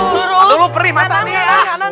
aduh perih mata nih ya